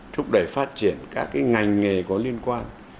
thúc đẩy phát triển các ngành nghề có liên quan